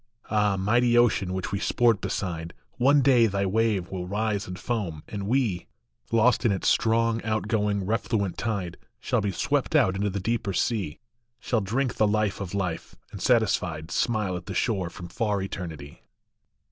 Ah, mighty ocean which we sport beside, One day thy wave will rise and foam, and we, Lost in its strong, outgoing, refluent tide, Shall be swept out into the deeper sea, Shall drink the life of life, and satisfied Smile at the shore from far eternity.